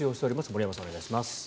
森山さん、お願いします。